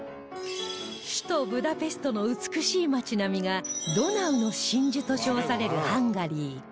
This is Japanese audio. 首都ブダペストの美しい街並みがドナウの真珠と称されるハンガリー